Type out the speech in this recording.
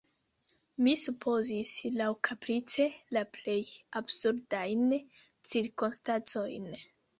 Mi supozis laŭkaprice la plej absurdajn cirkonstancojn.